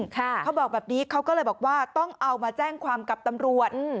เขาบอกแบบนี้เขาก็เลยบอกว่าต้องเอามาแจ้งความกับตำรวจ